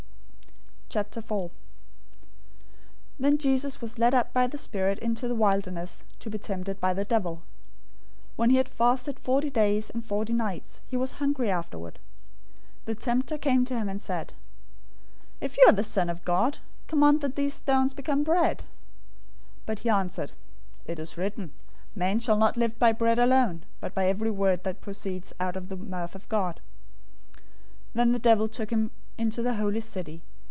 004:001 Then Jesus was led up by the Spirit into the wilderness to be tempted by the devil. 004:002 When he had fasted forty days and forty nights, he was hungry afterward. 004:003 The tempter came and said to him, "If you are the Son of God, command that these stones become bread." 004:004 But he answered, "It is written, 'Man shall not live by bread alone, but by every word that proceeds out of the mouth of God.'"{Deuteronomy 8:3} 004:005 Then the devil took him into the holy city.